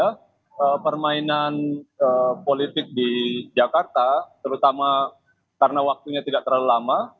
karena permainan politik di jakarta terutama karena waktunya tidak terlalu lama